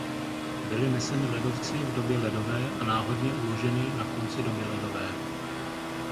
Byly neseny ledovci v době ledové a náhodně uloženy na konci doby ledové.